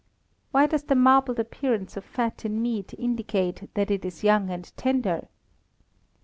_Why does the marbled appearance of fat in meat indicate that it is young and tender?